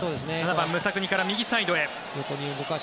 ７番、ムサクニから右サイドへ。